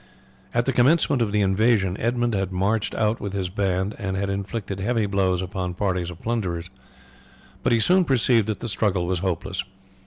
At the commencement of the invasion Edmund had marched out with his band and had inflicted heavy blows upon parties of plunderers; but he soon perceived that the struggle was hopeless.